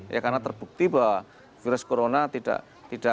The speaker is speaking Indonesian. ya karena terbukti bahwa virus corona ini tidak ada